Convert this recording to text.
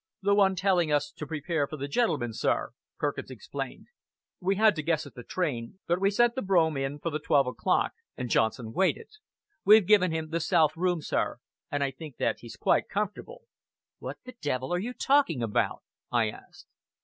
"The one telling us to prepare for the gentleman, sir," Perkins explained. "We had to guess at the train; but we sent the brougham in for the twelve o'clock, and Johnson waited. We've given him the south room, sir, and I think that he's quite comfortable." "What the devil are you talking about?" I asked.